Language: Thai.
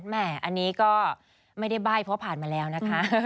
แม่อันนี้ก็ไม่ได้ใบ้เพราะผ่านมาแล้วนะคะ